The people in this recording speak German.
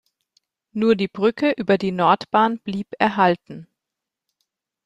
Nur die Brücke über die Nordbahn blieb erhalten.